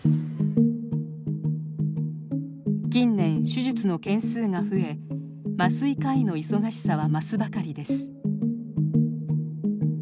近年手術の件数が増え麻酔科医の忙しさは増すばかりです。